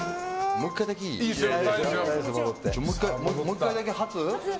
もう１回だけ、發。